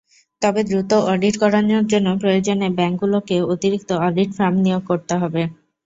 তবে দ্রুত অডিট করানোর জন্য প্রয়োজনে ব্যাংকগুলোকে অতিরিক্ত অডিট ফার্ম নিয়োগ করতে হবে।